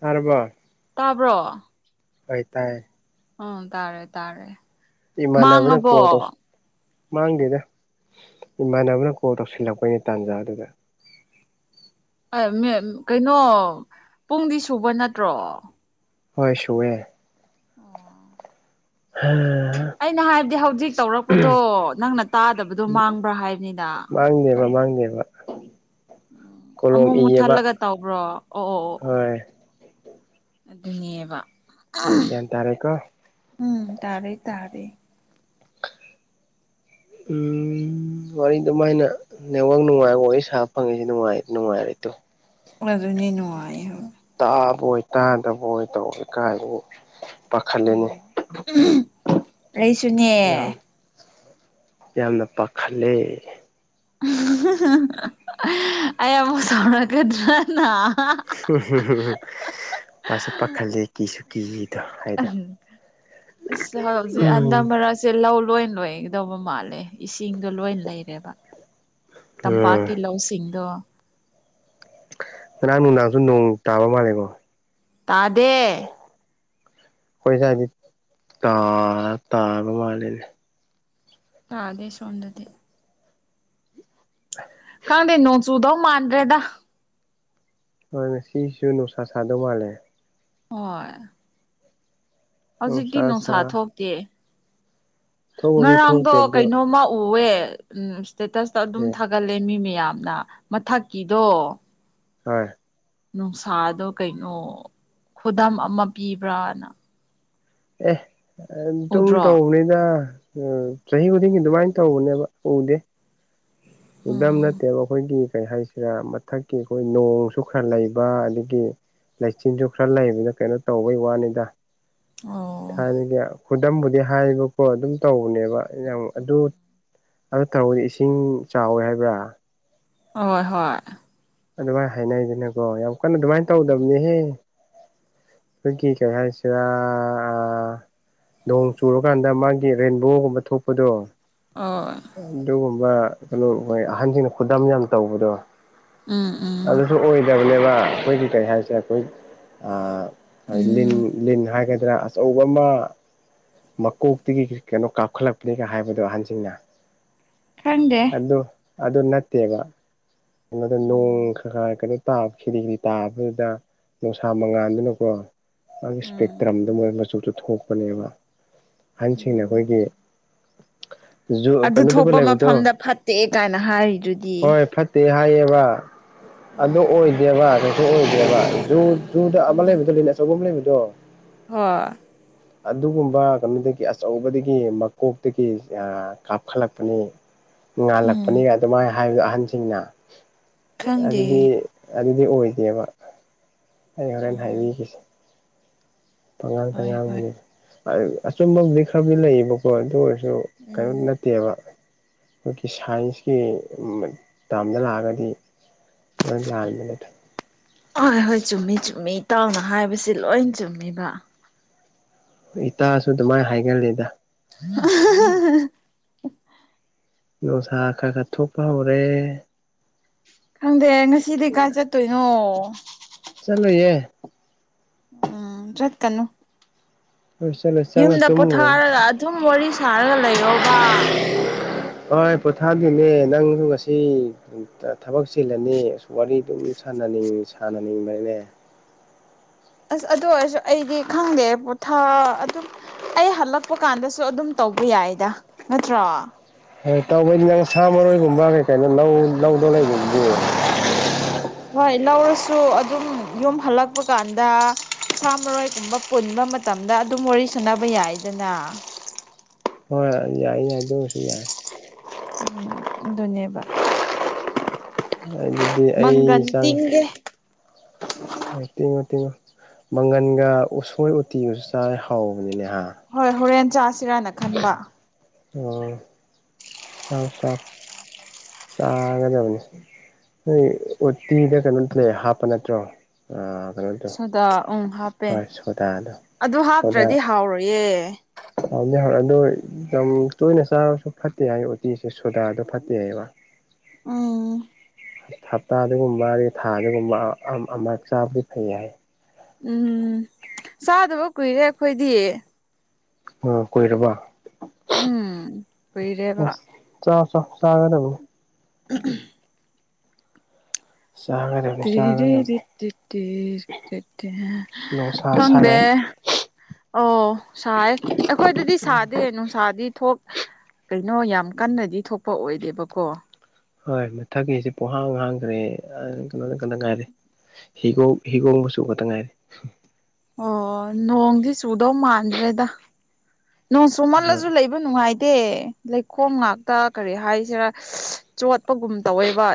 ꯇꯔꯕ ꯇꯥꯕ꯭ꯔꯣ ꯑꯣꯏ ꯇꯥꯏ ꯎꯝ ꯇꯥꯔꯦ ꯇꯥꯔꯦ ꯏꯃꯕꯅ ꯀꯣꯜ ꯇꯧ ꯃꯥꯡꯉꯕꯣ ꯃꯥꯡꯗꯦꯗ ꯏꯃꯥꯟꯅꯕꯅ ꯀꯣꯜ ꯇꯧꯁꯤꯜꯂꯛꯄꯩꯅꯦ ꯇꯥꯟꯖꯥ ꯑꯗꯨꯗ ꯀꯩꯅꯣ ꯄꯨꯡꯗꯤ ꯁꯨꯕ ꯅꯠꯇ꯭ꯔꯣ ꯍꯣꯏ ꯁꯋꯦ ꯑꯣ ꯎꯝ ꯑꯩꯅ ꯍꯥꯏꯕꯗꯤ ꯍꯧꯖꯤꯛ ꯇꯧꯔꯛꯄꯗꯣ ꯅꯪꯅ ꯇꯥꯗꯕꯗꯣ ꯃꯥꯡꯕ꯭ꯔꯥ ꯍꯥꯏꯕꯅꯤꯅ ꯃꯥꯡꯗꯦꯕ ꯃꯥꯡꯗꯦꯕ ꯀꯣꯂꯣꯝ ꯑꯃꯨꯛ ꯃꯨꯛ ꯏꯌꯦꯕ ꯊꯠꯂꯒ ꯇꯧꯕ꯭ꯔꯣ ꯑꯣ ꯑꯣ ꯑꯣ ꯍꯣꯏ ꯑꯗꯨꯅꯦꯕ ꯒ꯭ꯟ ꯇꯥꯔꯦꯀꯣ ꯎꯝ ꯇꯥꯔꯦ ꯇꯥꯔꯦ ꯎꯝ ꯎꯝ ꯋꯥꯔꯤ ꯑꯗꯨꯃꯥꯏꯅ ꯅꯦꯠꯋꯥꯛ ꯅꯨꯡꯉꯥꯏꯕ ꯋꯥꯔꯤ ꯁꯥꯕ ꯐꯪꯉꯁꯤ ꯅꯨꯡꯉꯥꯏ ꯅꯨꯡꯉꯥꯏꯔꯦ ꯑꯗꯨ ꯑꯗꯨꯅꯤ ꯅꯨꯡꯉꯥꯏꯌꯦ ꯍꯧꯖꯤꯛ ꯇꯥꯕꯣꯏ ꯇꯥꯗꯕꯣꯏ ꯇꯧꯋꯦ ꯀꯥꯏꯗꯒꯤ ꯄꯥꯈꯠꯂꯦꯅꯦ ꯎꯝ ꯑꯩꯁꯨꯅꯦ ꯌꯥꯝ ꯌꯥꯝꯅ ꯄꯥꯈꯠꯂꯦ ꯑꯩ ꯑꯃꯨꯛ ꯁꯥꯎꯔꯛꯀꯗ꯭ꯔꯥꯅ ꯄꯥꯁꯨ ꯄꯥꯈꯠꯂꯤ ꯀꯤꯁꯨ ꯀꯤꯗꯣ ꯍꯥꯏꯗꯣ ꯎꯝ ꯏꯁ ꯍꯧꯖꯤꯛ ꯎꯝ ꯍꯟꯗꯛ ꯃꯔꯛ ꯁꯦ ꯂꯧ ꯂꯣꯏ ꯂꯣꯏꯒꯗꯧꯕ ꯃꯥꯜꯂꯦ ꯏꯁꯤꯡꯗꯣ ꯂꯣꯏ ꯂꯩꯔꯦꯕ ꯎꯝ ꯇꯝꯄꯥꯛꯀꯤ ꯂꯧꯁꯤꯡꯗꯣ ꯉꯔꯥꯡ ꯅꯨꯡꯗꯥꯡꯁꯨ ꯅꯣꯡ ꯇꯥꯕ ꯃꯥꯜꯂꯦꯀꯣ ꯇꯥꯗꯦ ꯑꯩꯈꯣꯏ ꯁꯥꯏꯗꯤ ꯇꯥ ꯇꯥꯕ ꯃꯥꯜꯂꯤꯅꯦ ꯇꯥꯗꯦ ꯁꯣꯝꯗꯗꯤ ꯈꯪꯗꯦ ꯅꫭꯡ ꯆꯨꯗꯧ ꯃꯥꯥꯟꯅꯗꯔꯦꯗ ꯍꯣꯏ ꯉꯁꯤꯁꯨ ꯅꯨꯡꯁꯥ ꯁꯥꯗꯧ ꯃꯥꯜꯂꯦ ꯍꯣꯏ ꯍꯧꯖꯤꯛꯇꯤ ꯅꯨꯡꯁꯥ ꯊꯣꯛ ꯇꯦ ꯊꯣꯛꯄꯗꯤ ꯉꯔꯥꯡꯗꯣ ꯊꯣꯛꯇꯦ ꯑꯗꯣ ꯀꯩꯅꯣꯝꯃ ꯎꯋꯦ ꯎꯝ ꯏꯁ꯭ꯇꯦꯇꯁꯇ ꯑꯗꯨꯝ ꯍꯣꯏ ꯊꯥꯒꯠꯂꯦ ꯃꯤ ꯃꯌꯥꯝꯅ ꯃꯊꯛꯀꯤꯗꯣ ꯍꯣꯏ ꯅꯨꯡꯁꯥꯗꯣ ꯀꯩꯅꯣ ꯈꯨꯗꯝ ꯑꯃ ꯄꯤꯕ꯭ꯔꯅ ꯑꯦ ꯑꯗꯨꯝ ꯎꯗ꯭ꯔꯣ ꯇꯧꯕꯅꯤꯗ ꯎꯝ ꯆꯍ ꯈꯨꯗꯤꯡꯒꯤ ꯑꯗꯨꯃꯥꯏ ꯇꯧꯕꯅꯦꯕ ꯎꯗꯦ ꯎꯗꯝ ꯎꯝ ꯅꯠꯇꯦꯕ ꯑꯩꯈꯣꯏꯒꯤ ꯀꯩ ꯍꯥꯏꯁꯤ ꯁꯤꯔ ꯃꯊꯛꯀꯤ ꯑꯩꯈꯣꯏ ꯅꯣꯡꯁꯨ ꯈꯔ ꯂꯩꯕ ꯑꯗꯨꯒꯤ ꯂꯩꯆꯤꯟꯁꯨ ꯈꯔ ꯂꯩꯕꯗ ꯀꯩꯅꯣ ꯇꯧꯕꯩ ꯋꯥꯅꯤꯗ ꯑꯣ ꯊꯥꯏꯅꯒꯤ ꯈꯨꯗꯝꯕꯨꯗꯤ ꯍꯥꯏꯕꯀꯣ ꯑꯗꯨꯝ ꯇꯧꯕꯅꯦꯕ ꯑꯩꯅ ꯑꯗꯨ ꯑꯗꯨ ꯇꯧꯔꯗꯤ ꯏꯁꯤꯡ ꯆꯥꯎꯋꯦ ꯍꯥꯏꯕ꯭ꯔꯥ ꯍꯣꯏ ꯍꯣꯏ ꯑꯗꯨꯃꯥꯏ ꯍꯥꯏꯅꯩꯗꯅꯀꯣ ꯌꯥꯝ ꯀꯟꯅ ꯑꯗꯨꯃꯥꯏ ꯇꯧꯗꯝꯅꯤꯍꯦ ꯑꯩꯈꫭꯏꯒꯤ ꯀꯩ ꯍꯥꯏꯁꯤꯔ ꯅꯣꯡ ꯆꯨꯔꯀꯥꯟꯗ ꯃꯥꯒꯤ ꯔꯦꯟꯕꯣꯒꯨꯝꯕ ꯊꯣꯛꯄꯗꯣ ꯑꯣ ꯑꯗꯨꯒꯨꯝꯕ ꯀꯩꯅꯣ ꯍꯣꯏ ꯑꯍꯟꯖꯤꯡꯅ ꯈꯨꯗꯝ ꯌꯥꯝ ꯇꯧꯕꯗꯣ ꯎꯝ ꯎꯝ ꯑꯗꯨꯁꯨ ꯑꯣꯏꯗꯕꯅꯦꯕ ꯑꯩꯈꯣꯏꯒꯤ ꯀꯔꯤ ꯍꯥꯏꯁꯦ ꯑꯩꯈꯣꯏ ꯑꯥ ꯂꯤꯟ ꯎꯝ ꯂꯤꯟ ꯍꯥꯏꯒꯗ꯭ꯔꯥ ꯑꯆꯧꯕꯃ ꯃꯀꯣꯛꯇꯒꯤ ꯀꯩꯅꯣ ꯀꯥꯞꯈꯠꯂꯛꯄꯅꯤꯒ ꯍꯥꯏꯕꯗꯣ ꯑꯍꯟꯁꯤꯡꯅ ꯈꯪꯗꯦ ꯑꯗꯨ ꯑꯗꯨ ꯅꯠꯇꯦꯕ ꯀꯩꯅꯣꯗ ꯅꯣꯡ ꯎꯝ ꯈ ꯈ ꯀ ꯇꯥꯕ ꯁꯤꯠꯂꯤ ꯁꯤꯠꯂꯤ ꯇꯥꯕꯗꯨꯗ ꯅꯨꯡꯁꯥ ꯃꯉꯥꯜꯗꯨꯅꯀꯣ ꯑꯗꯨꯒꯤ ꯎꯝ ꯏꯁꯄꯦꯛꯇ꯭ꯔꯝꯗꫭ ꯃꯣꯏ ꯃꯆꯨꯗꯨ ꯊꯣꯛꯄꯅꯦꯕ ꯑꯍꯟꯁꯤꯡꯅ ꯎꯝ ꯑꯩꯈꯣꯏꯒꯤ ꯖꯨ ꯑꯗꯨ ꯀꯩꯅꯣꯗꯒ ꯊꯣꯛꯄ ꯂꯩꯕꯗꯣ ꯃꯐꯝꯗ ꯐꯠꯇꯦ ꯀꯥꯏꯅ ꯍꯥꯏꯔꯤꯗꯨꯗꯤ ꯍꯣꯏ ꯐꯠ ꯇꯦ ꯍꯥꯏꯌꯦꯕ ꯑꯗꯨ ꯎꯝ ꯑꯣꯏꯗꯦꯕ ꯀꯩꯁꯨ ꯑꯣꯏꯗꯦꯕ ꯑꯗꯨ ꯖꯨꯗ ꯑꯃ ꯂꯩꯕꯗꯣ ꯂꯤꯟ ꯑꯆꯧꯕ ꯑꯃ ꯂꯩꯕꯗꯣ ꯍꫭꯏ ꯑꯗꯨꯒꯨꯝꯕ ꯀꯩꯅꯣꯗꯒꯤ ꯑꯆꯧꯕꯗꯒꯤ ꯃꯀꯣꯛꯇꯒꯤ ꯀꯥꯞꯈꯠꯂꯛꯄꯅꯤ ꯎꯝ ꯉꯥꯜꯂꯛꯄꯅꯤ ꯑꯗꯨꯃꯥꯏꯅ ꯍꯥꯏꯕꯗ ꯑꯍꯟꯁꯤꯡꯅ ꯈꯪꯗꯦ ꯑꯗꯨꯗꯤ ꯑꯗꯨꯗꯤ ꯑꯣꯏꯗꯦꯕ ꯑꯩ ꯍꯣꯔꯦꯟ ꯎꯝ ꯍꯥꯏꯕꯤꯈꯤꯁꯦ ꯄꯉꯥꯡ ꯇ ꯍꯣꯏ ꯍꯣꯏ ꯉꯥꯡꯕꯅꯤ ꯑꯆꯨꯝꯕꯕꯨꯗꯤ ꯈꯔꯗꯤ ꯂꯩꯌꯦꯕꯀꯣ ꯑꯗꯨ ꯑꯣꯏꯔꯁꯨ ꯀꯩꯅꯣ ꯎꯝ ꯅꯦ ꯅꯠꯇꯦꯕ ꯑꯩꯈꯣꯏꯒꯤ ꯁꯥꯏꯟꯁꯀꯤ ꯇꯥꯝꯗ ꯂꯥꯛꯑꯒꯗꯤ ꯂꯣꯏ ꯂꯥꯟꯃꯤꯅꯠ ꯍꯣꯏ ꯍꯣꯏ ꯆꯨꯝꯃꯤ ꯆꯨꯝꯃꯤ ꯏꯇꯥꯎꯅ ꯍꯥꯏꯕꯁꯦ ꯂꯣꯏ ꯆꯨꯝꯃꯤꯕ ꯏꯇꯥꯁꯨ ꯑꯗꯨꯃꯥꯏꯅ ꯍꯥꯏꯒꯂꯦꯗ ꯅꯨꯡꯁꯥ ꯈ ꯈ ꯊꯣꯛꯄ ꯍꯧꯔꯦ ꯈꯪꯗꯦ ꯉꯁꯤꯗꯤ ꯀꯥꯏ ꯆꯠꯇꯣꯏꯅꯣ ꯆꯠꯂꯨꯏꯌꯦ ꯎꯝ ꯆꯠ ꯀꯅꯨ ꯍꯣꯏꯁꯦ ꯌꯨꯝꯗ ꯄꯣꯊꯥꯔꯒ ꯑꯗꯨꯝ ꯋꯥꯔꯤ ꯁꯥꯔꯒ ꯂꯩꯔꯣꯕ ꯄꯣꯊꯥꯗꯨꯅꯦ ꯅꯪꯁꯨ ꯉꯁꯤ ꯊꯕꯛ ꯆꯤꯜꯂꯅꯤ ꯑ ꯋꯥꯔꯤ ꯑꯗꯨꯝ ꯁꯥꯟꯅꯅꯤꯡ ꯁꯥꯟꯅꯅꯤꯡꯕꯅꯤꯅꯦ ꯑꯁ ꯑꯗꯨ ꯑꯣꯏꯔꯁꯨ ꯑꯩꯗꯤ ꯈꯪꯗꯦ ꯄꯣꯊꯥ ꯑꯗꯨꯝ ꯑꯩ ꯍꯜꯂꯛꯄ ꯀꯥꯟꯗꯁꯨ ꯑꯗꯨꯝ ꯇꯧꯕ ꯌꯥꯏꯗ ꯅꯠꯇ꯭ꯔꯣ ꯇꯧꯕꯩꯗꯤ ꯅꯪ ꯁꯥ ꯃꯔꯣꯏꯒꯨꯝꯕ ꯀꯩ ꯀꯩꯅꯣ ꯂꯧ ꯂꯧꯗꯣ ꯂꯩꯕꯅꯦ ꯍꯣꯏ ꯂꯧꯔꯁꯨ ꯑꯗꯨꯝ ꯌꯨꯝ ꯍꯜꯂꯛꯄ ꯀꯥꯟꯗ ꯀꯨꯟꯊ꯭ꯔꯥ ꯃꯔꯣꯏꯒꯨꯝꯕ ꯄꯨꯟꯕ ꯃꯇꯝꯗ ꯑꯗꯨꯝ ꯋꯥꯔꯤ ꯁꯨꯅꯕ ꯌꯥꯏꯗꯅ ꯍꯣꯏ ꯌꯥꯏ ꯌꯥꯏ ꯑꯗꯨꯃꯁꯨ ꯌꯥꯏ ꯑꯗꯨꯅꯦꯕ ꯑꯗꯨꯗꯤ ꯑꯩ ꯃꯪꯒꯟ ꯆꯥꯡ ꯇꯤꯡꯒꯦ [unintelligible] ꯍꯣꯏ ꯇꯤꯡꯉꯣ ꯇꯤꯡꯉꯣ ꯃꯪꯒꯟꯒ ꯎꯁꯣꯏ ꯎꯇꯤꯒꯁꯨ ꯆꯥꯔꯗꯤ ꯍꯥꯎꯕꯅꯤꯅꯦꯍ ꯍꯣꯏ ꯍꯣꯔꯦꯟ ꯆꯥꯁꯤꯔꯥꯅ ꯈꯟꯕ ꯑꯣ ꯆꯥꯏ ꯆꯥꯏ ꯆꯥꯒꯗꯕꯅꯤ ꯅꯣꯏ ꯎꯠꯇꯤꯗ ꯀꯩꯅꯣ ꯂꯩ ꯍꯥꯞꯄ ꯅꯠꯇ꯭ꯔꯣ ꯑ ꯁꯗ ꯎꯝ ꯍꯥꯞꯄꯦ ꯑꯗꯨ ꯍꯥꯞꯇ꯭ꯔꯗꯤ ꯍꯥꯎꯔꯣꯏꯌꯦ ꯍꯥꯎꯅꯦ ꯍ ꯑꯗꯨꯣ ꯌꯥꯝ ꯇꯣꯏꯅ ꯆꯥꯔꯁꯨ ꯐꯠꯇꯦ ꯍꯥꯏ ꯎꯇꯤꯁꯦ ꯁꯣꯗꯥꯗ ꯐꯠꯇꯦ ꯍꯥꯏꯕ ꯎꯝ ꯍꯞꯇꯥ ꯑꯗꯨꯒꯒꯨꯝꯕ ꯑꯗꯩ ꯊꯥ ꯑꯗꯨꯒꯨꯝꯕ ꯑꯃꯛ ꯆꯥꯕꯗꯤ ꯐꯩ ꯍꯥꯏ ꯎꯝ ꯆꯥꯗꯕ ꯀꯨꯏꯔꯦ ꯑꯩꯈꯣꯏꯗꯤ ꯎ ꯀꯣꯏꯔꯕ ꯎꯝ ꯀꯨꯏꯔꯦꯕ ꯆꯥꯎꯥꯛ ꯆ ꯆꯥꯒꯗꯕꯅꯤ [unintelligible] ꯆꯥꯒꯅꯤ [unintelligible] ꯅꯨꯡ ꯁꯥꯥ ꯁꯥꯥꯔꯦ ꯑꯣ ꯁꯥꯏ ꯑꯩꯈꯣꯏꯗꯗꯤ ꯁꯥꯗꯦ ꯅꯨꯡꯁꯥꯗꯤ ꯊꯣꯛ ꯀꯩꯅꯣ ꯌꯥꯝ ꯀꯟꯅꯗꯤ ꯊꯣꯛꯄ ꯑꯣꯏꯗꯦꯕꯀꯣ ꯍꯣꯏ ꯃꯊꯛꯀꯤꯁꯦ ꯄꯣꯡꯍꯥꯡ ꯍꯥꯡꯈ꯭ꯔꯦ ꯀꯩꯅꯣꯗ ꯈꯇ ꯉꯥꯏꯔꯦ ꯍꯤꯒꯣꯛ ꯍꯤꯒꯣꯡꯃꯆꯨ ꯈꯛꯇ ꯉꯥꯏꯔꯦ ꯑꯣ ꯅꯣꯡꯗꯤ ꯆꯨꯗꯧ ꯃꯥꯟꯗ꯭ꯔꯦꯗ ꯅꯣꯡ ꯍꯣꯏ ꯁꯨꯝꯃꯜꯂꯁꯨ ꯂꯩꯕ ꯅꯨꯡꯉꯥꯏꯇꯦ ꯂꯩꯈꯣꯝ ꯉꯥꯛꯇ ꯀꯔꯤ ꯍꯥꯏꯁꯤꯔꯥ ꯆꯣꯠꯄꯒꯨꯝ ꯇꯧꯋꯦꯕ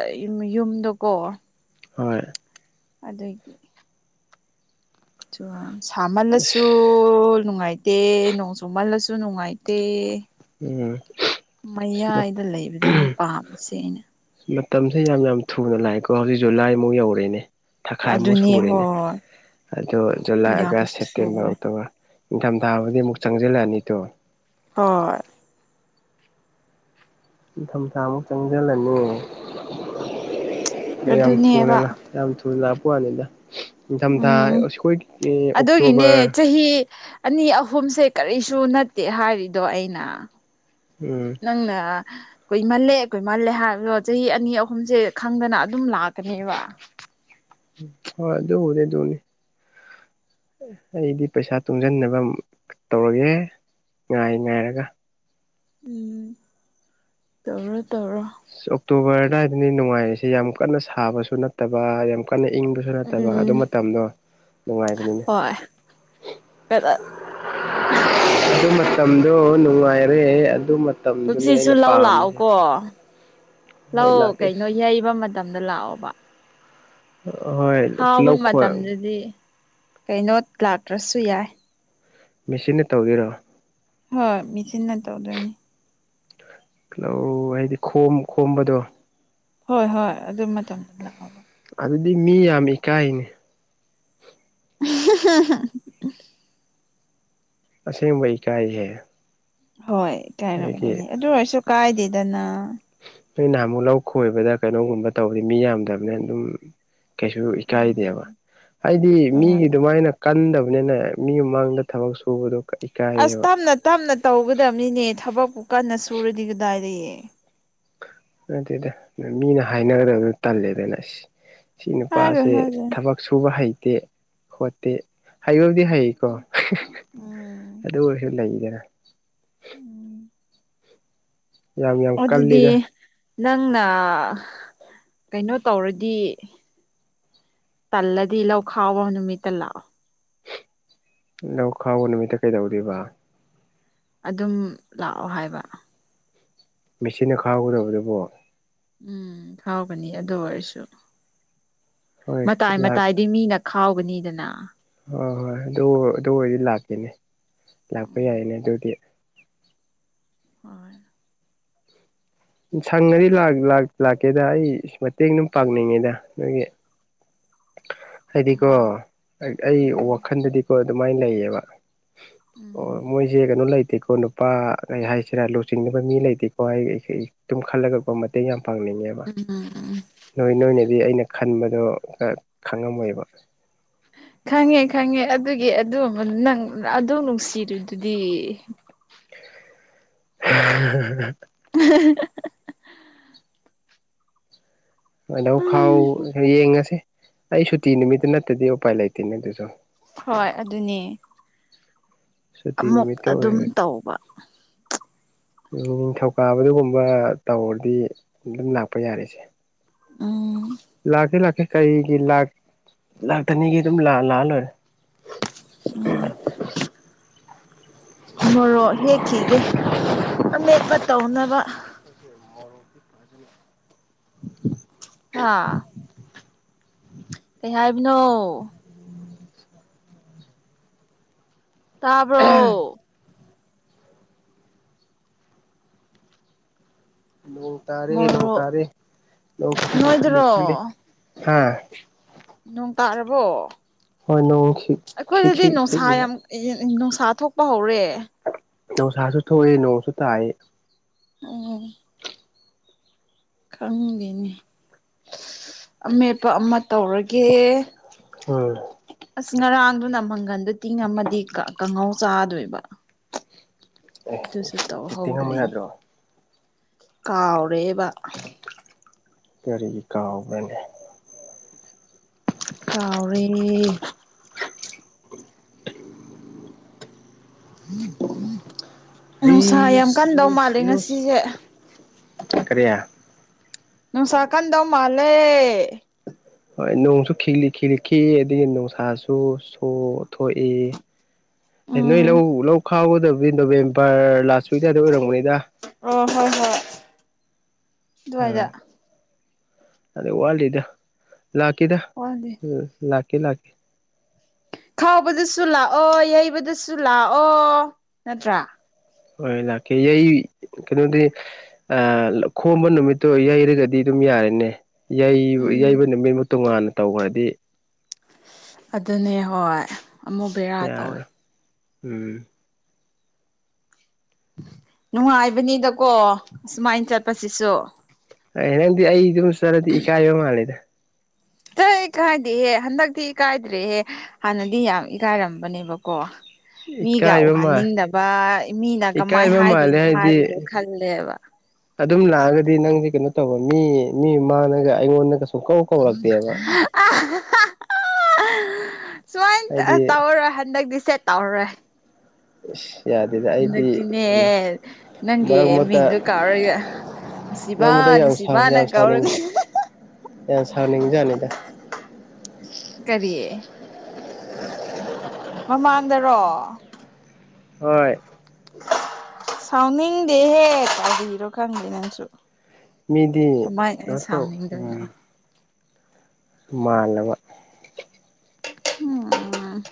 ꯌꯨꯝꯗꯨꯀꯣ ꯍꯣꯏ ꯑꯗꯨꯒꯤ [unintelligible] ꯁꯥꯃꯜꯂꯁꯨ ꯅꯨꯡꯉꯥꯏ ꯗꯦ ꯅꯣꯡ ꯆ ꯃꯜꯂꯁꯨ ꯅꯨꯡꯉꯥꯏꯇꯦ ꯎꯝ ꯃꯌꯥꯏꯗ ꯂꯩꯕꯗꯨꯅꯤ ꯄꯥꯝꯃꯤꯁꯦ ꯑꯩꯅ ꯃꯇꯝꯁꯦ ꯌꯥꯝ ꯌꯥꯝ ꯊꯨꯅ ꯂꯥꯛꯑꯦꯀꯣ ꯍꯧꯖꯤꯛ ꯖꯨꯂꯥꯏꯃꯨꯛ ꯌꯧꯔꯦꯅꯦ ꯊꯥꯈꯥꯏꯃꯨꯛ ꯑꯗꯨꯅꯦ ꯁꯨꯔꯦꯅꯦ ꯍꯣꯏ ꯑꯗꯣ ꯖꯨꯂꯥꯏ ꯌꯥꯝ ꯑꯥꯒꯁ ꯁꯦꯞꯇꯦꯝꯕꯔ ꯊꯨꯋꯦ ꯑꯣꯛꯇꯣꯕꯔ ꯅꯤꯡꯊꯝꯊꯥꯕꯨꯗꯤ ꯑꯃꯨꯛ ꯆꯪꯁꯤꯜꯂꯛꯑꯅꯤ ꯗꯣ ꯍꯣꯏ ꯅꯤꯡꯊꯝ ꯊꯥꯃꯨꯛ ꯆꯪꯁꯤꯜꯂꯅꯤ [unintelligible] ꯑꯗꯨꯅꯦꯕ ꯌꯥꯝ ꯊꯨꯅ ꯂꯥꯛꯄ ꯋꯥꯅꯤꯗ ꯅꯤꯡꯊꯝ ꯊꯥ ꯎꯝ ꯑꯩꯈꯣꯏ ꯑꯗꯨꯒꯤꯅꯦ ꯑꯣꯛꯇꯣꯕꯔ ꯆꯍꯤ ꯑꯅꯤ ꯑꯍꯨꯝꯁꯦ ꯀꯔꯤꯁꯨ ꯅꯠꯇꯦ ꯍꯥꯏꯔꯤꯗꯣ ꯑꯩꯅ ꯎꯝ ꯅꯪꯅ ꯀꯨꯏꯃꯜꯂꯦ ꯀꯨꯏꯃꯜꯂꯦ ꯍꯥꯏꯕꯗꯣ ꯆꯍꯤ ꯑꯅꯤ ꯑꯍꯨꯝꯁꯦ ꯈꯪꯗꯅ ꯑꯗꯨꯝ ꯂꯥꯛꯀꯅꯦꯕ ꯍꯣꯏ ꯑꯗꯨꯕꯨꯗꯤ ꯑꯗꯨꯅꯤ ꯑꯩꯗꯤ ꯄꯩꯁꯥ ꯇꯨꯡꯁꯤꯟꯅꯕ ꯇꯧꯔꯒꯦ ꯉꯥꯏ ꯉꯥꯏꯔꯒ ꯎꯝ ꯇꯧꯔꯣ ꯇꯧꯔꯣ ꯑꯣꯛꯇꯣꯕꯔ ꯑꯗ꯭ꯋꯥꯏꯗꯅꯤ ꯅꯨꯡꯉꯥꯏꯔꯤꯁꯦ ꯌꯥꯝ ꯀꯟꯅ ꯁꯥꯕꯁꯨ ꯅꯠꯇꯕ ꯌꯥꯝ ꯀꯟꯅ ꯏꯪꯕꯁꯨ ꯅꯠꯇꯕ ꯑꯗꯨ ꯎꯝ ꯃꯇꯝꯗꯣ ꯅꯨꯡꯉꯥꯏꯕꯅꯤꯅꯦ ꯍꯣꯏ ꯑꯗꯨ ꯃꯇꯝꯗꯣ ꯅꯨꯡꯉꯥꯏꯔꯦ ꯑꯗꯨ ꯃꯇꯝꯗꯨꯅꯤ ꯀꯨꯝꯁꯤꯁꯨ ꯑꯩꯅ ꯂꯧ ꯄꯥꯝꯃꯤꯁꯦ ꯂꯥꯛꯑꯣꯀꯣ ꯍꯣꯏ ꯂꯥꯛꯑꯣ ꯀꯩꯅꯣ ꯂꯥꯛꯀꯦꯁ ꯌꯩꯕ ꯃꯇꯝꯗ ꯂꯥꯛꯑꯣꯕ ꯍꯣꯏ ꯈꯥꯎꯕ ꯂꯧ ꯈꯣꯏ ꯃꯇꯝꯗꯗꯤ ꯀꯩꯅꯣ ꯂꯥꯛꯇ꯭ꯔꯁꯨ ꯌꯥꯏ ꯃꯦꯆꯤꯟꯅ ꯇꯧꯗꯣꯏꯔꯣ ꯍꯣꯏ ꯃꯦꯆꯤꯟꯅ ꯇꯧꯗꯣꯏꯅꯤ ꯂꯧ ꯍꯥꯏꯗꯤ ꯈꯣꯝ ꯈꯣꯝꯕꯗꯣ ꯍꯣꯏ ꯍꯣꯏ ꯑꯗꯨ ꯃꯇꯝꯗꯨꯗ ꯑꯗꯨꯗꯤ ꯃꯤ ꯌꯥꯝ ꯏꯀꯥꯏꯅꯦ [unintelligible] ꯑꯁꯦꯡꯕ ꯏꯀꯥꯏꯍꯦ ꯍꯣꯏ ꯑꯩꯒꯤ ꯏꯀꯥꯏꯔꯝꯒꯅꯤ ꯑꯗꯨ ꯑꯣꯏꯔꯁꯨ ꯀꯥꯏꯗꯦꯗꯅ ꯅꯣꯏ ꯅꯍꯥꯟꯃꯨꯛ ꯂꯧ ꯈꯣꯏꯕꯗ ꯀꯩꯅꯣꯒꯨꯝꯕ ꯇꯧꯔꯗꯤ ꯃꯤ ꯌꯥꯝꯗꯕꯅ ꯑꯗꯨꯝ ꯀꯩꯁꯨ ꯏꯀꯥꯏꯗꯦꯕ ꯎꯝ ꯍꯥꯏꯗꯤ ꯍꯣꯏ ꯃꯤꯒꯤ ꯑꯗꯨꯃꯥꯏꯅ ꯀꯟꯗꯕꯅꯤꯅ ꯃꯤ ꯃꯃꯥꯡꯗ ꯊꯕꯛ ꯁꯨꯕꯗꯣ ꯑꯁ ꯏꯀꯥꯏꯌꯦꯕ ꯇꯞꯅ ꯇꯞꯅ ꯇꯧꯒꯗꯕꯅꯤꯅꯦ ꯊꯕꯛꯄꯨ ꯀꯟꯅ ꯁꯨꯔꯗꯤ ꯀꯗꯥꯏꯗꯒꯤ ꯅꯠꯇꯦꯗ ꯃꯤꯅ ꯍꯥꯏꯅꯔꯒꯗꯤ ꯇꯜꯂꯦꯗꯅ ꯁꯤ ꯍꯥꯏꯔꯣꯏ ꯅꯨꯄꯥꯁꯦ ꯍꯥꯏꯔꯣꯏ ꯊꯕꯛ ꯁꯨꯕ ꯍꯩꯇꯦ ꯍꯣ ꯇꯦ ꯍꯩꯕꯕꯨꯗꯤ ꯍꯩꯀꯣ ꯎꯝ ꯑꯗꯨ ꯑꯣꯏꯔꯁꯨ ꯂꯩꯗꯅ ꯎꯝ ꯌꯥꯝ ꯑꯣ ꯌꯥꯝ ꯑꯗꯨꯗꯤ ꯀꯜꯂꯤꯗ ꯅꯪꯅ ꯀꯩꯅꯣ ꯇꯧꯔꯗꯤ ꯇꯜꯂꯗꯤ ꯂꯧ ꯈꯥꯎꯕ ꯅꯨꯃꯤꯠꯇ ꯂꯥꯛꯑꯣ ꯂꯧ ꯈꯥꯎꯕ ꯅꯨꯃꯤꯠꯇ ꯀꯩꯗꯧꯗꯣꯏꯕ ꯑꯗꯨꯝ ꯂꯥꯛꯑꯣ ꯍꯥꯏꯕ ꯃꯦꯆꯤꯟꯅ ꯈꯥꯎꯒꯗꯕꯗꯨꯕꯨ ꯎꯝ ꯈꯥꯎꯒꯅꯤ ꯑꯗꯨ ꯑꯣꯏꯔꯁꯨ ꯍꯣꯏ ꯃꯇꯥꯏ ꯂꯥꯛ ꯃꯇꯥꯏ ꯗꯤ ꯃꯤꯅ ꯈꯥꯎꯒꯅꯤꯗꯅ ꯍꯣꯏ ꯍꯣꯏ ꯑꯗꯨ ꯑꯗꯨ ꯑꯣꯏꯔꯗꯤ ꯂꯥꯛꯀꯦꯅꯦ ꯂꯥꯛꯄ ꯎꯝ ꯌꯥꯏꯅꯦ ꯑꯗꯨꯗꯤ ꯍꯣꯏ ꯁꯪꯉꯗꯤ ꯂꯥꯛꯀꯦꯗ ꯑꯩ ꯃꯇꯦꯡ ꯑꯗꯨꯝ ꯄꯥꯡꯅꯤꯡꯉꯤꯗ ꯅꯣꯏꯒꯤ ꯍꯥꯏꯗꯤꯀꯣ ꯎꯝ ꯑꯩ ꯎꯝ ꯋꯥꯈꯜꯗꯗꯤꯀꯣ ꯑꯗꯨꯃꯥꯏꯅ ꯂꯩꯌꯦꯕ ꯑꯣ ꯎꯝ ꯃꯣꯏꯁꯦ ꯀꯩꯅꯣ ꯂꯩꯇꯦ ꯀꯣꯟꯅ ꯅꯨꯄꯥ ꯀꯩ ꯍꯥꯏꯁꯤꯔꯥ ꯂꯨꯆꯤꯡꯅꯕ ꯃꯤ ꯂꯩꯇꯦꯀꯣ ꯑꯩ ꯑꯗꯨꯨꯝ ꯈꯜꯂꯒꯄ ꯃꯇꯦꯡ ꯌꯥꯝ ꯄꯥꯡꯅꯤꯡꯉꯦꯕ ꯎꯝ ꯎꯝ ꯅꯣꯏ ꯅꯣꯏꯅꯗꯤ ꯑꯩꯅ ꯈꯟꯕꯗꯣ ꯈꯪꯉꯝꯃꯣꯏꯕ ꯈꯪꯉꯦ ꯈꯪꯉꯦ ꯑꯗꯨꯒꯤ ꯑꯗꯨ ꯅꯪ ꯑꯗꯨꯝ ꯅꯨꯡꯁꯤꯗꯨꯗꯤ [unintelligible] ꯎ [unintelligible] ꯍꯗꯧ ꯈꯥꯎ ꯌꯦꯡꯉꯁꯤ ꯑꯩ ꯁꯨꯇꯤ ꯅꯨꯃꯤꯠꯇꯨ ꯅꯠꯇꯗꯤ ꯎꯄꯥꯏ ꯂꯩꯇꯦꯅꯦ ꯑꯗꯨꯁꯨ ꯍꯣꯏ ꯑꯗꯨꯅꯦ ꯁꯨꯇꯤ ꯑꯃꯨꯛ ꯅꯨꯃꯤꯠꯇ ꯑꯗꯨꯝ ꯑꯣꯏꯔꯦ ꯇꯧꯕ ꯅꯤꯡꯊꯧꯀꯥꯕꯗꯨꯒꯨꯝꯕ ꯇꯧꯔꯗꯤ ꯑꯗꯨꯝ ꯂꯥꯛꯄ ꯌꯥꯔꯤꯁꯦ ꯎꯝ ꯂꯥꯛꯀꯦ ꯂꯥꯛꯀꯦ ꯀꯔꯤꯒꯤ ꯂꯥꯛ ꯂꯥꯛꯇꯅꯤꯒꯤ ꯑꯗꯨꯝ ꯂꯥꯛꯑ ꯂꯣꯏꯔꯦ ꯎꯝ [unintelligible] ꯃꯣꯔꯣꯛ ꯍꯦꯛꯈꯤꯒꯦ ꯑꯃꯦꯠꯄ ꯇꯧꯅꯕ ꯦ ꯃꯔꯖꯤ [unintelligible] [unintelligible] ꯍꯥꯥ ꯀꯩ ꯍꯥꯏꯕꯅꯣ ꯇꯥꯕ꯭ꯔꯣ ꯂꯧ ꯇꯔꯦ ꯂꯧ ꯃꯣꯔꯣꯛ ꯇꯔꯦ ꯂ ꯅꯣꯏꯗꯔꯣ ꯍꯥ [unintelligible] ꯅꯣꯡ ꯇꯥꯔꯕꯣ ꯍꯣꯏ ꯅꯣꯡꯁꯤ ꯑꯩꯈꯣꯏꯗꯗꯤ ꯅꯨꯡꯁꯥ ꯌꯥꯝ ꯅꯨꯡꯁꯥ ꯊꯣꯛꯄ ꯍꯧꯔꯦ ꯅꯨꯡꯁꯥꯁꯨ ꯊꯣꯛꯑꯦ ꯅꯣꯡꯁꯨ ꯇꯥꯏ ꯎꯝ ꯈꯪꯗꯅꯦ ꯑꯃꯦꯠꯄ ꯑꯃ ꯇꯧꯔꯒꯦ ꯍꯣꯏ ꯑꯁ ꯉꯔꯥꯡꯗꯨꯅ ꯃꯪꯒꯟꯗ ꯇꯤꯡ ꯑꯃꯗꯤ ꯀꯥꯡꯍꯧ ꯆꯥꯗꯣꯏꯕ ꯑꯦ ꯑꯗꯨꯁꯨ ꯇꯤꯡꯉꯝꯕ ꯇꯧꯍꯧꯗ꯭ꯔꯦꯅꯦ ꯌꯥꯗ꯭ꯔꯣ ꯀꯥꯎꯔꯦꯕ ꯀꯔꯤ ꯀꯥꯎꯕ꯭ꯔꯅꯦ ꯀꯥꯎꯔꯦ ꯌꯨꯁ ꯅꯨꯡꯁꯥ ꯌꯥꯝ ꯀꯟꯗꯧ ꯃꯥꯜꯂꯦ ꯉꯁꯤꯁꯦ [inaudible] ꯀꯔꯤꯌꯥ ꯎ ꯁꯀꯥꯟꯗꯧ ꯃꯥꯂꯦ ꯍꯣꯏ ꯅꯣꯡꯁꯨ ꯈꯤꯛꯂꯤ ꯈꯤꯛꯂꯤ ꯈꯤꯛꯏ ꯑꯗꯒꯤ ꯅꯨꯡꯁꯥꯁꯨ ꯁꯨ ꯊꯣꯛꯏ ꯅꯣꯏ ꯎꯝ ꯂꯧ ꯂꯧ ꯈꯥꯎꯒꯗꯕꯗꯤ ꯅꯣꯕꯦꯝꯕꯔ ꯂꯥꯁ ꯋꯤꯛꯗꯥꯏꯗ ꯑꯣꯏꯔꯝꯒꯅꯤꯗ ꯑꯣ ꯍꯣꯏ ꯍꯣꯏ ꯑ ꯑꯗꯨꯋꯥꯏꯗ ꯑꯗ ꯋꯥꯜꯗ ꯂꯥꯛꯀꯗ ꯋꯥꯠꯂꯤ ꯎ ꯂ ꯀꯅꯥ [unintelligible] ꯈꯥꯎꯕꯗꯁꯨ ꯂꯥꯛꯑꯣ ꯌꯩꯕꯗꯁꯨ ꯂꯥꯛꯑꯣ ꯅꯠꯇ꯭ꯔꯥ ꯍꯣꯏ ꯂꯥꯛꯀꯦ ꯑꯩ ꯀꯩꯅꯣꯗꯤ ꯈꯣꯝꯕ ꯅꯨꯃꯤꯠꯇꯣ ꯌꯩꯔꯒꯗꯤ ꯑꯗꯨꯝ ꯌꯥꯔꯦꯅꯦ ꯌꯩ ꯎꯝ ꯌꯩꯕ ꯅꯨꯃꯤꯠꯕꯨ ꯇꯣꯉꯥꯟꯅ ꯇꯧꯈ꯭ꯔꯗꯤ ꯑꯗꯨꯅꯦ ꯍꯣꯏ ꯑꯃꯨꯛ ꯕꯦꯔꯥ ꯇꯧꯋꯦ ꯌꯥꯔꯦ ꯎꯝ ꯅꯨꯡꯉꯥꯏꯕꯅꯤꯗꯀꯣ ꯁꯨꯃꯥꯏꯅ ꯆꯠꯄꯁꯤꯁꯨ ꯅꯪꯗꯤ ꯑꯩ ꯑꯗꯨꯝ ꯆꯠꯔꯗꯤ ꯏꯀꯥꯏꯕ ꯃꯥꯜꯂꯦꯗ ꯅ ꯀꯥꯏꯗꯦꯍꯦ ꯍꯟꯗꯛꯇꯤ ꯏꯀꯥꯏꯗ꯭ꯔꯦꯍꯦ ꯍꯥꯟꯅꯗꯤ ꯌꯥꯝ ꯏꯀꯥꯏꯔꯝꯕꯅꯦꯕꯀꯣ ꯃꯤꯒ ꯏꯀꯥꯏꯕ ꯃꯥꯜ ꯎꯍꯟꯅꯤꯡꯗꯕ ꯃꯤꯅ ꯀꯃꯥꯏꯅ ꯏꯀꯥꯏꯕ ꯃꯥꯜꯂꯦ ꯍꯥꯏꯗꯣꯏꯅꯣ ꯍꯥꯏꯗꯤ ꯍꯥꯏꯕꯗꯣ ꯈꯜꯂꯦꯕ ꯑꯗꯨꯝ ꯂꯥꯛꯑꯒꯗꯤ ꯅꯪꯁꯦ ꯀꯩꯅꯣ ꯇꯧꯕ ꯃꯤ ꯃꯤꯃꯅꯒ ꯑꯩꯉꯣꯟꯗꯒ ꯁꯨꯝ ꯀꯧ ꯀꯧꯔꯛꯇꯦꯕ ꯍꯥꯏꯗꯤ ꯁꯨꯃꯥꯏ ꯇꯧꯔꯔꯣꯏ ꯍꯟꯗꯛꯇꯤ ꯁꯦ ꯇꯧꯔꯔꯣꯏ ꯏꯁ ꯌꯥꯗꯦꯗ ꯑꯩꯗꯤ ꯍꯟꯗꯛꯇꯤꯅꯦ ꯅꯪꯒꯤ ꯃꯔꯛ ꯃꯔꯛꯇ ꯃꯤꯡꯗꯣ ꯀꯥꯎꯔꯒ ꯅꯨꯡꯁꯤꯕ ꯅꯕꯨꯗꯣ ꯌꯥꯝ ꯅꯨꯡꯁꯤꯕꯅ ꯌꯥꯝ ꯁꯥꯎꯅꯤꯡ ꯀꯧꯔꯅꯤ ꯌꯥꯝ ꯁꯥꯎꯅꯤꯡꯖꯥꯅꯤꯗ ꯀꯔꯤ ꯃꯃꯥꯡꯗꯔꯣ ꯍꯣꯏ ꯁꯥꯎꯅꯤꯡꯗꯦꯍꯦ ꯀꯥꯔꯤꯔꯣ ꯈꯪꯗꯦ ꯅꯪꯁꯨ ꯃꯤꯗꯤ ꯀꯃꯥꯏꯃꯤ ꯀꯩꯅꯣ ꯇꯧ [unintelligible] ꯃꯥꯜꯂꯕ ꯎꯝ